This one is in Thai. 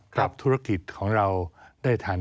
ธุรกิจของเราได้ทัน